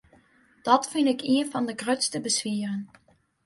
Dat fyn ik ien fan de grutste beswieren.